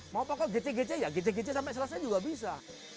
mau pakai gc gc ya gc gc sampai selesai juga bisa